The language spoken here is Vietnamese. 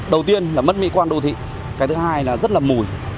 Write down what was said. đầu tiên là mất mỹ quan đô thị cái thứ hai là rất là mùi